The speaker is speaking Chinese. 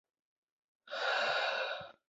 磁矩结构与铁磁性物质的磁性行为有关。